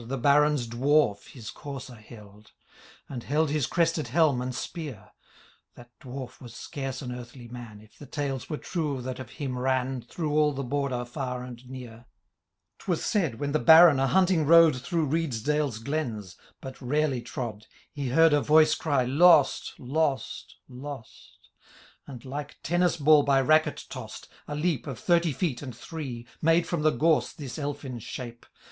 The Baron's Dwarf his courser held,^ And held his crested helm and spear : Ihat Dwarf was scarce an earthly man. If the tales were true that of him ran Through all the Border, fax and near, i See Appendix. Note 2 C. Digitized by VjOOQIC CatOo II. THE LAST MIN8TRBL. 59 ^was said, when the Baron arhnnting rode Through Reedsdale^s glens, but rarely trod, He heard a voice cry, Lost ! lost ! lost I" And, like tennis ball by racket toas'd, A leap, of thirty feet and three, Made from the gorse this elfin shape.